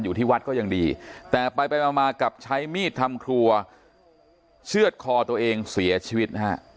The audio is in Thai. อยู่ที่วัดก็ยังดีแต่ไปไปมากับใช้มีดทำครัวเชื่อดคอตัวเองเสียชีวิตนะฮะ